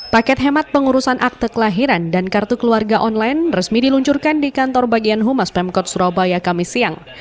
paket hemat pengurusan akte kelahiran dan kartu keluarga online resmi diluncurkan di kantor bagian humas pemkot surabaya kamis siang